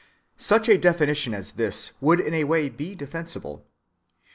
Such a definition as this would in a way be defensible.